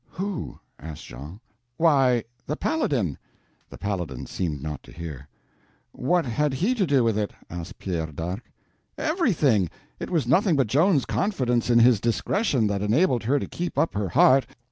"Who?" asked Jean. "Why, the Paladin." The Paladin seemed not to hear. "What had he to do with it?" asked Pierre d'Arc. "Everything. It was nothing but Joan's confidence in his discretion that enabled her to keep up her heart.